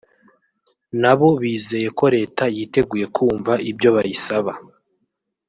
nabo bizeye ko Leta yiteguye kumva ibyo bayisaba